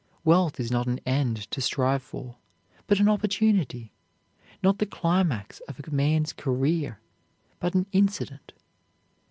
Wealth is not an end to strive for, but an opportunity; not the climax of a man's career, but an incident.